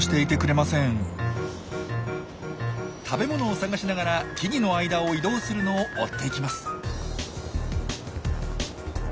食べ物を探しながら木々の間を移動するのを追っていきます。